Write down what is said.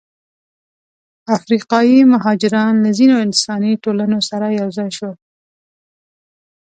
افریقایي مهاجران له ځینو انساني ټولنو سره یوځای شول.